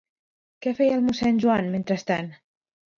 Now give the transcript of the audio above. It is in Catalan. Què feia el mossèn Joan, mentrestant?